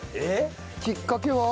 きっかけは？